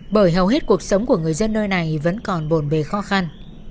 bởi hầu hết cuộc sống của người dân nơi này vẫn còn bồn bề khó khăn